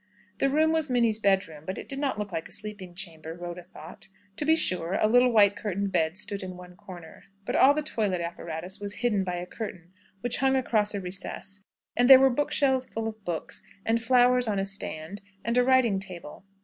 The room was Minnie's bedroom, but it did not look like a sleeping chamber, Rhoda thought. To be sure a little white curtained bed stood in one corner, but all the toilet apparatus was hidden by a curtain which hung across a recess, and there were bookshelves full of books, and flowers on a stand, and a writing table.